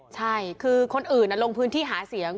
ใช่คือคนอื่นลงพื้นที่หาเสียง